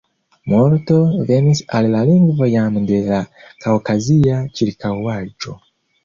Multo venis al la lingvo jam de la kaŭkazia ĉirkaŭaĵo.